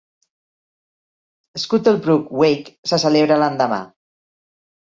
Scuttlebrook Wake se celebra l'endemà.